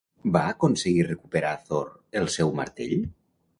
Va aconseguir recuperar Thor el seu martell?